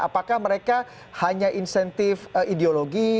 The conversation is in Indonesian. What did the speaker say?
apakah mereka hanya insentif ideologi